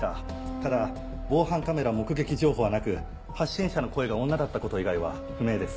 ただ防犯カメラ目撃情報はなく発信者の声が女だったこと以外は不明です。